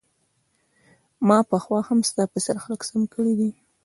ما پخوا هم ستا په څیر خلک سم کړي دي